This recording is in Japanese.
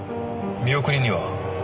見送りには？